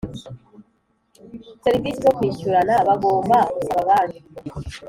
serivisi zo kwishyurana bagomba gusaba Banki